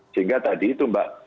sehingga tadi itu mbak